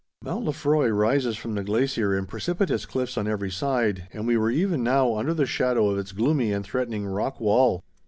Mount Lefroy rises from the glacier in precipitous cliffs on every side, and we were even now under the shadow of its gloomy and threatening rock wall.